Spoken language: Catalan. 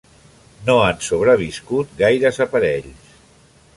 No han sobreviscut gaires aparells.